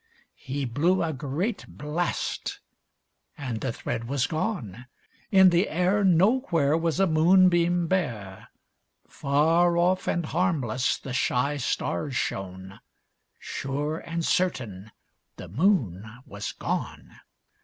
He blew a great blast, and the thread was gone; In the air Nowhere Was a moonbeam bare; Far off and harmless the shy stars shone; Sure and certain the Moon was gone.